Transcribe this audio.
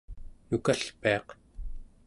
nukalpiaq